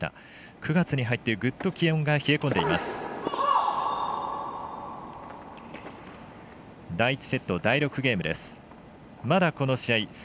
９月に入ってグッと気温が冷え込んでいます。